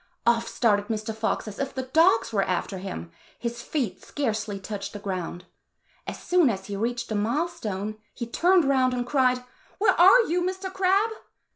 Off started Mr. Fox as if the dogs were after him. His feet scarcely touched the ground. As soon as he reached the mile stone, he turned round and cried, "Where are you, Mr. Crab?"